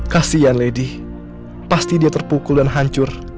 kasian lady pasti dia terpukul dan hancur